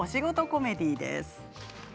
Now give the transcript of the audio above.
コメディーです。